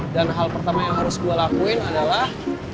dan hal pertama yang harus gue lakuin adalah